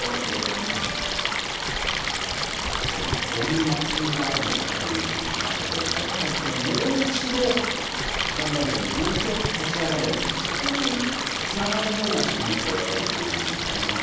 こういうマッチングがあるのかという気もしましたけれども、やはりもう一度頑張れる、もう一度立ち上がれる、そこにつながるような仕組みって、やっぱり必要ですよね。